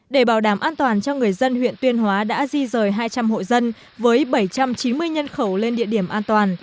để bảo đảm an toàn cho người dân huyện tuyên hóa đã di rời hai trăm linh hộ dân với bảy trăm chín mươi nhân khẩu lên địa điểm an toàn